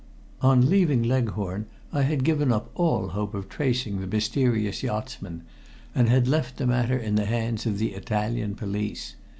On leaving Leghorn I had given up all hope of tracing the mysterious yachtsman, and had left the matter in the hands of the Italian police.